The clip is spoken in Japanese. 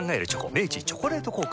明治「チョコレート効果」